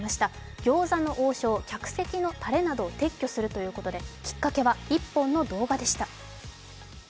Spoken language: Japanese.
餃子の王将、客席のたれなどを撤去するということできっかけは、１本の動画でした。